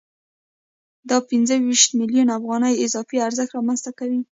دا پنځه ویشت میلیونه افغانۍ اضافي ارزښت رامنځته کوي